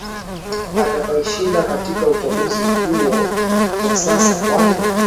atakaeshinda katika uchaguzi huo kwa sasa kwani